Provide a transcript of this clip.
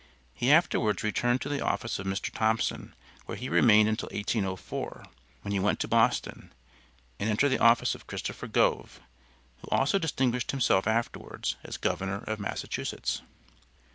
He afterwards returned to the office of Mr. Thompson where he remained until 1804, when he went to Boston and entered the office of Christopher Gove, who also distinguished himself afterwards as governor of Massachusetts.